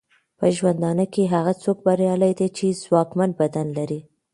په ژوندانه کې هغه څوک بریالی دی چې ځواکمن بدن لري.